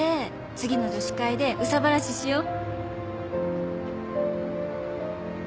次の女子会で憂さ晴らししよう」。